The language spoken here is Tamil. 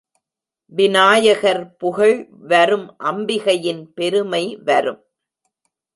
விநாயகர் புகழ் வரும் அம்பிகையின் பெருமை வரும்.